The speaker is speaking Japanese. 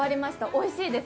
おいしいです。